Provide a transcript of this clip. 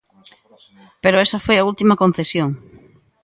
Pero esa foi a última concesión.